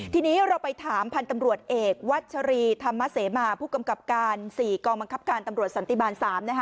ทีนี้เราไปถามพันธ์ตำรวจเอกวัชรีธรรมเสมาผู้กำกับการ๔กองบังคับการตำรวจสันติบาล๓นะคะ